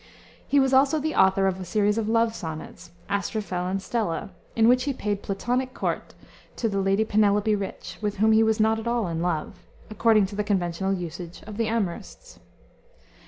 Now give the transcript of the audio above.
He was also the author of a series of love sonnets, Astrophel and Stella, in which he paid Platonic court to the Lady Penelope Rich (with whom he was not at all in love), according to the conventional usage of the amourists.